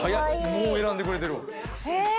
もう選んでくれてる。